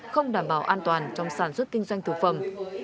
không đảm bảo an toàn trong sản xuất kinh doanh thực phẩm